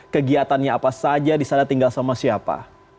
kegiatannya apa saja di sana tinggal sama siapa